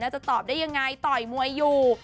จะตอบได้ยังไงต่อยมวยอยู่